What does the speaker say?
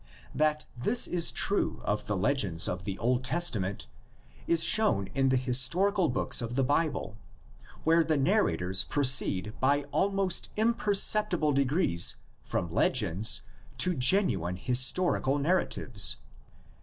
That this is true of the legends of the Old Testament is shown in the historical books of the Bible, where the narrators proceed by 40 THE LEGENDS OF GENESIS. almost imperceptible degrees from legends to genu ine historical narratives.